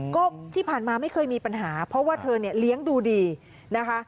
ก็ที่ผ่านมาไม่เคยมีปัญหาเพราะว่าเธอเนี่ยเลี้ยงดูดีนะคะ